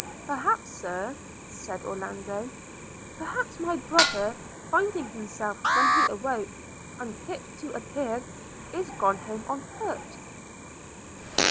'Perhaps, Sir,' said Orlando – 'perhaps my brother, finding himself, when he awoke, unfit to appear, is gone home on foot.'